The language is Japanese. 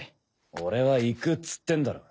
俺は行くっつってんだろ。